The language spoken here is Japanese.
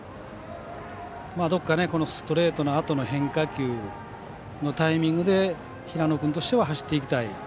どこかストレートのあとの変化球のタイミングで平野君としては走っていきたい